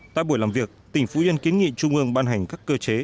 tại buổi làm việc tỉnh phú yên kiến nghị trung ương ban hành các cơ chế